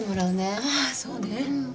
ああそうね。